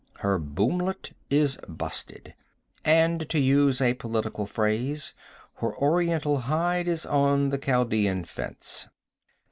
Her boomlet is busted, and, to use a political phrase, her oriental hide is on the Chaldean fence.